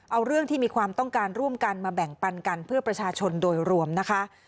เอาเรื่องที่มีความต้องการร่วมกันมาแบ่งปันกันเพื่อประชาชนโดยรวมนะคะ